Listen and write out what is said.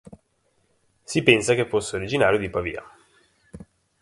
Si pensa che fosse originario di Pavia.